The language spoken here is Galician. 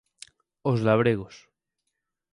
Os labregos.